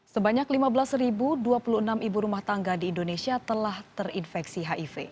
sebanyak lima belas dua puluh enam ibu rumah tangga di indonesia telah terinfeksi hiv